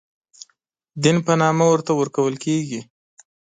دین په نامه ورته ورکول کېږي.